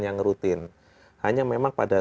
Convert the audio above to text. yang rutin hanya memang pada